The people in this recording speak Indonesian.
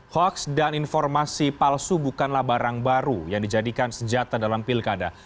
hoaks dan informasi palsu bukanlah barang baru yang dijadikan senjata dalam pilkada